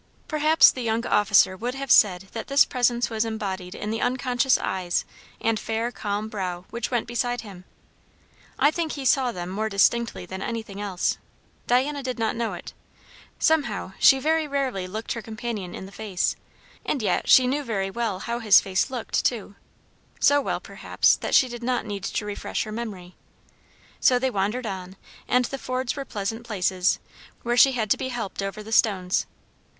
Perhaps the young officer would have said that this presence was embodied in the unconscious eyes and fair calm brow which went beside him; I think he saw them more distinctly than anything else. Diana did not know it. Somehow she very rarely looked her companion in the face; and yet she knew very well how his face looked, too; so well, perhaps, that she did not need to refresh her memory. So they wandered on; and the fords were pleasant places, where she had to be helped over the stones.